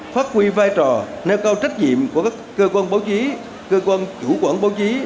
phát huy vai trò nêu cao trách nhiệm của các cơ quan báo chí cơ quan chủ quản báo chí